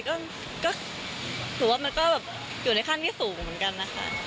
ก็ถือว่ามันก็แบบอยู่ในขั้นที่สูงเหมือนกันนะคะ